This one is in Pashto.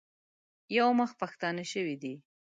یو مخ پښتانه شوي دي.